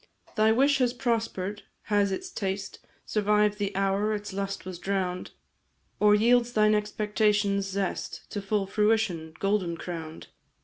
"Thy wish has prosper'd has its taste Survived the hour its lust was drown'd; Or yields thine expectation's zest To full fruition, golden crown'd?